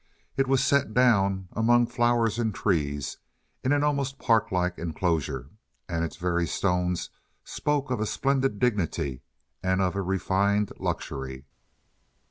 It was set down, among flowers and trees, in an almost park like inclosure, and its very stones spoke of a splendid dignity and of a refined luxury.